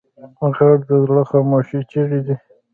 غږ د زړه خاموش چیغې دي